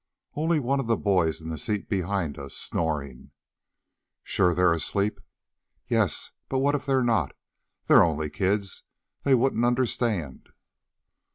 "Only one of the boys in the seat behind us, snoring." "Sure they're asleep?" "Yes, but what if they're not? They are only kids. They wouldn't understand."